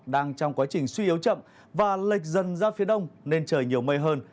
đang trong quá trình suy yếu chậm và lệch dần ra phía đông nên trời nhiều mây hơn